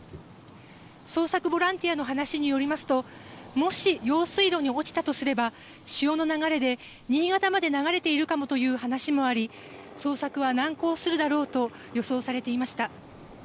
捜索ボランティアの話によりますともし、用水路に落ちたとすれば潮の流れで、新潟まで流れているかもという話もあり捜索は難航するだろうと予想されていました。